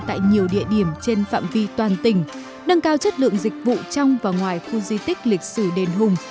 tại nhiều địa điểm trên phạm vi toàn tỉnh nâng cao chất lượng dịch vụ trong và ngoài khu di tích lịch sử đền hùng